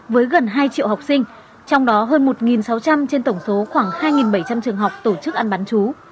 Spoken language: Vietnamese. với gần hai triệu học sinh trong đó hơn một sáu trăm linh trên tổng số khoảng hai bảy trăm linh trường học tổ chức ăn bán chú